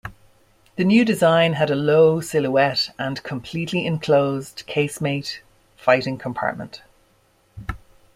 The new design had a low silhouette and completely enclosed, casemate fighting compartment.